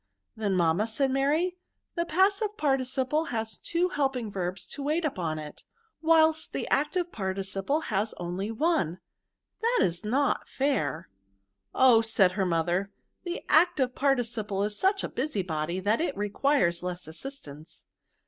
" Then, mamma,'' said Mary, " the pas sive participle has two helping verbs to wait upon it, whilst the active participle has only one ; that is not fair." " Ohr said her mother, "the active par ticiple is such a busy body, that it requires less assistance.